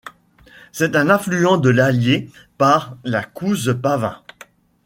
C’est un affluent de l’Allier par la Couze Pavin.